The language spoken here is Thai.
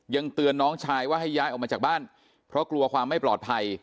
เตือนน้องชายว่าให้ย้ายออกมาจากบ้านเพราะกลัวความไม่ปลอดภัย